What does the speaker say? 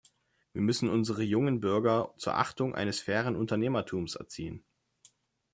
Wir müssen unsere jungen Bürger zur Achtung eines fairen Unternehmertums erziehen.